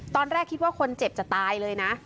ตอนแรกคิดว่าคนเจ็บจะตายเลยนะ